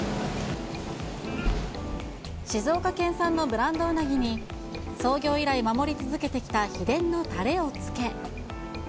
静岡県産のブランドうなぎに、創業以来守り続けてきた秘伝のたれをつけ。